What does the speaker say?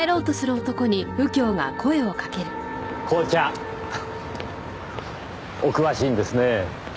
紅茶お詳しいんですねぇ。